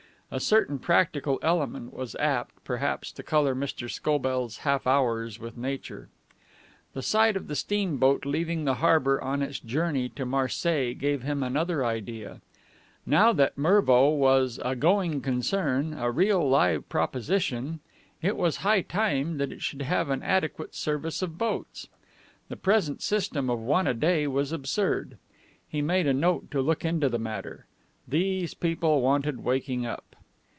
A certain practical element was apt, perhaps, to color Mr. Scobell's half hours with nature. The sight of the steamboat leaving the harbor on its journey to Marseilles gave him another idea. Now that Mervo was a going concern, a real live proposition, it was high time that it should have an adequate service of boats. The present system of one a day was absurd. He made a note to look into the matter. These people wanted waking up.